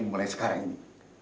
mulai sekarang ini